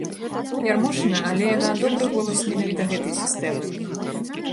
Ярмошына, але яна добры голас менавіта гэтай сістэмы.